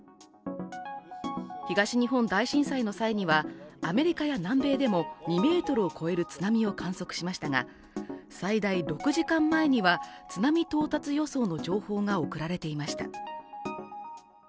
東日本大震災の際にはアメリカや南米でも２ｍを越える津波を観測しましたが、最大６時間前には津波到達予想の情報が送られていました。